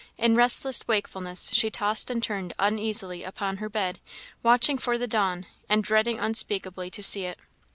In restless wakefulness she tossed and turned uneasily upon her bed, watching for the dawn, and dreading unspeakably to see it.